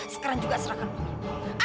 sekarang juga serahkan uangnya